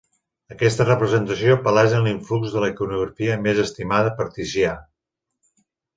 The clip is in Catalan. Aquesta representació palesa l'influx de la iconografia més estimada per Ticià.